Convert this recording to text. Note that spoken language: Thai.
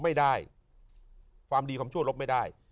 ไม่ได้ความดีความชั่วลบไม่ได้